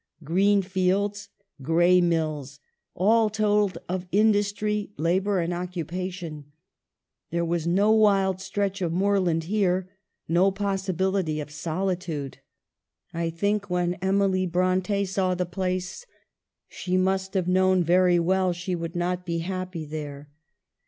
Green fields, gray mills, all told of industry, labor, occupation. There was no wild stretch of moorland here, no possibility of solitude. I think when Emily Bronte saw the place, she must have known very well she would not be happy there.